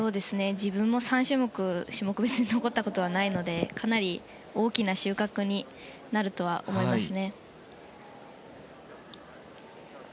自分も、３種目種目別で残ったことはないのでかなり大きな収穫になると思います。